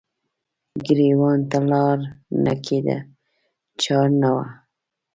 ګریوان ته لار نه کیده چار نه وه